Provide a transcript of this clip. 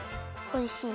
おいしい。